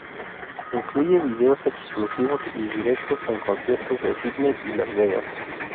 Incluye videos exclusivos y directos en conciertos de Sídney y Las Vegas.